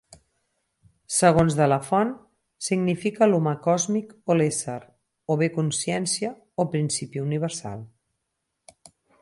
Segons de la font, significa 'l'humà còsmic' o 'l'ésser', o bé 'consciència' o 'principi universal'.